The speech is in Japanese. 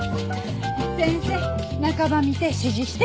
先生中ば見て指示して。